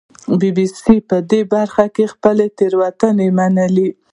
بي بي سي په دې برخه کې خپله تېروتنه منلې